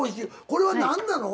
これは何なの？